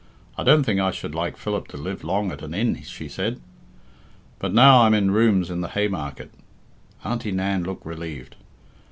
"I don't think I should like Philip to live long at an inn," she said. "But now I'm in rooms in the Hay market." Auntie Nan looked relieved.